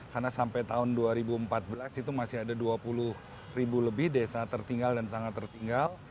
karena sampai tahun dua ribu empat belas itu masih ada dua puluh lebih desa tertinggal dan sangat tertinggal